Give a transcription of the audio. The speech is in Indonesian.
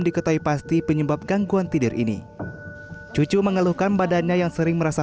diketahui pasti penyebab gangguan tidur ini cucu mengeluhkan badannya yang sering merasa